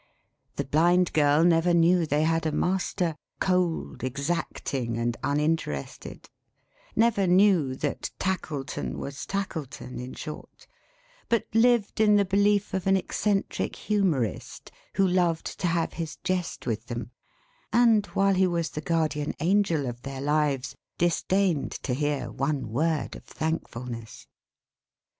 The Blind Girl never knew they had a master, cold, exacting and uninterested: never knew that Tackleton was Tackleton in short; but lived in the belief of an eccentric humourist who loved to have his jest with them; and while he was the Guardian Angel of their lives, disdained to hear one word of thankfulness.